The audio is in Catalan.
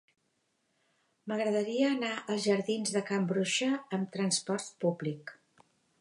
M'agradaria anar als jardins de Can Bruixa amb trasport públic.